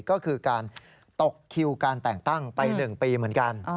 ก็คือการตกคิวการแต่งตั้งไป๑ปีเหมือนกัน